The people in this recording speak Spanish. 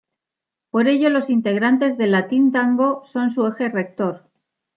Por ello, los integrantes de Latin Tango son su eje rector.